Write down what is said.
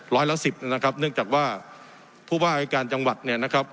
ร้อยละสิบนะครับเนื่องจากว่าผู้ว่ารายการจังหวัดเนี่ยนะครับ